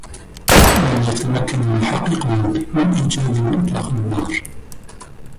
لم يتمكّن المحقّقون من إيجاد من أطلق النّار.